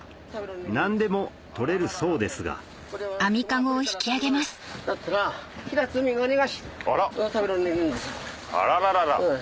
何でも取れるそうですがあらららら。